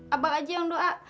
abang aja yang doa